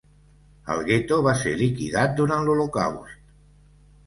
El gueto va ser liquidat durant l'Holocaust.